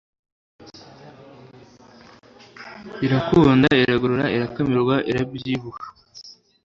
irakunda iragorora urakamirwa urabyibuha